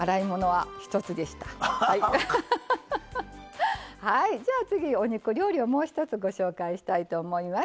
はいでは次お肉料理をもう一つご紹介したいと思います。